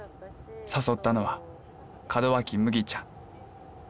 誘ったのは門脇麦ちゃん。